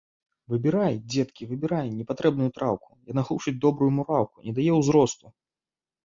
Выбірай, дзеткі, выбірай непатрэбную траўку, яна глушыць добрую мураўку і не дае ўзросту.